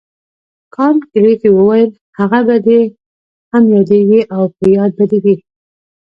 کانت ګریفي وویل هغه به دې هم یادیږي او په یاد به دې وي.